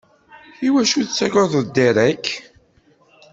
Iwacu tettagadeḍ Derek?